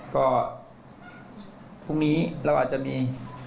ก็พรุ่งนี้เราอาจจะมี